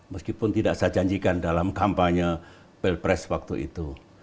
meskipun tidak saya janjikan dalam kampanye pilpres waktu itu